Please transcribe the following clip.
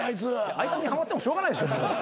あいつにはまってもしょうがないでしょ。